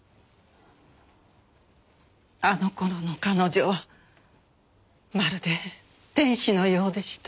あの頃の彼女はまるで天使のようでした。